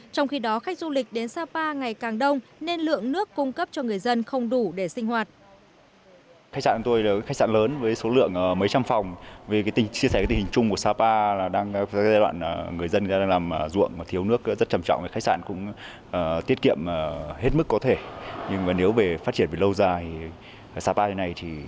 trong khi đó khách du lịch đến sapa ngày càng đông nên lượng nước cung cấp cho người dân không đủ để sinh hoạt